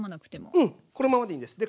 うんこのままでいいです。